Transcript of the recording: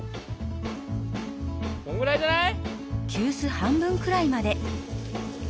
こんぐらいじゃない？